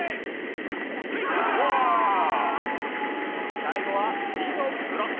最後は見事ブロック。